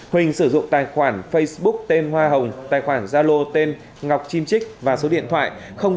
huỳnh sử dụng tài khoản facebook tên hoa hồng tài khoản gia lô tên ngọc chim chích và số điện thoại